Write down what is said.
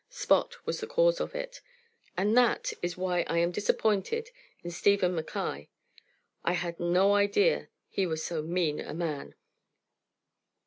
Spot was the cause of it. And that is why I am disappointed in Stephen Mackaye. I had no idea he was so mean a man.